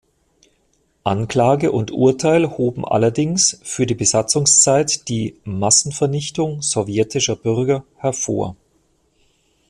Anklage und Urteil hoben allerdings für die Besatzungszeit die "Massenvernichtung sowjetischer Bürger" hervor.